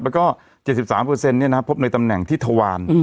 แล้วก็๗๓เนี่ยฮะพบในตำแหน่งที่ถวาน